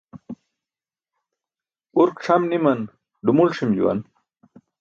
Urk c̣ʰam ni̇man dumul ṣi̇m juwan.